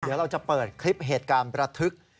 เดี๋ยวเราจะเปิดคลิปเหตุการณ์ประทึก